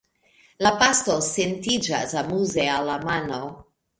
La pasto sentiĝas amuze al la mano.